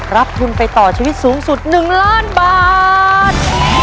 รับทุนไปต่อชีวิตสูงสุด๑ล้านบาท